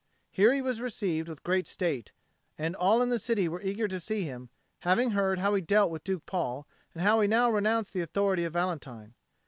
Here he was received with great state, and all in the city were eager to see him, having heard how he had dealt with Duke Paul and how he now renounced the authority of Valentine.